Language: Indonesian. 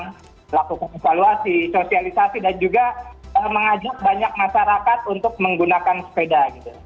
melakukan evaluasi sosialisasi dan juga mengajak banyak masyarakat untuk menggunakan sepeda